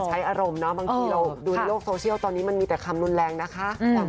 ใช้อารมณ์เนาะบางทีเราดูในโลกโซเชียลตอนนี้มันมีแต่คำรุนแรงนะคะ